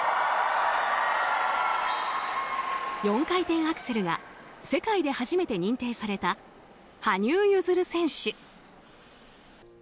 ４回転アクセルが世界で初めて認定された羽生結弦選手。